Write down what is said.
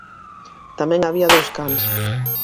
Tamén había dous cans.